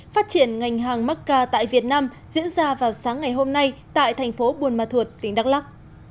phát triển ngành hàng macca tại việt nam diễn ra vào sáng ngày hôm nay tại thành phố buôn ma thuột tỉnh đắk lắc